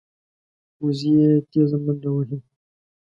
وزې تېزه منډه وهي